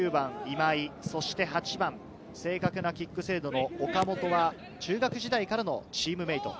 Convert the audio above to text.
この井上とエースの９番・今井、そして８番、正確なキック精度の岡本は、中学時代からのチームメート。